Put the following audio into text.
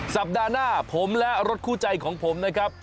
สัปดาห์หน้าผมและรถคู่ใจของผมนะครับ